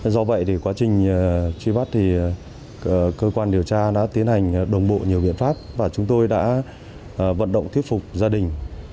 do vậy quá trình truy bắt cơ quan điều tra đã tiến hành đồng bộ nhiều biện pháp và chúng tôi đã vận động thiết phục gia đình